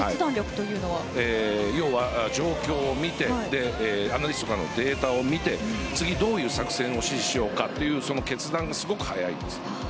要は、状況を見てアナリストからのデータを見て次、どういう作戦を指示しようかというその決断がすごく早いです。